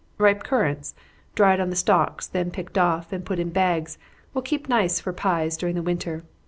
Ripe currants, dried on the stalks, then picked off, and put in bags, will keep nice for pies during the winter.